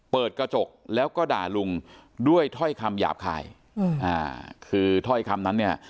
เปิดกระจกแล้วก็ด่าลุงด้วยถ้อยคำหยาบคายคือถ้อยคำนั้นเนี่ย